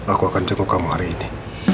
aku akan cukup kamu hari ini